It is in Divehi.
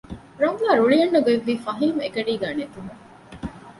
ރަމްލާ ރުޅި އަންނަގޮތްވީ ފަހީމު އެގަޑީގައި ނެތުމުން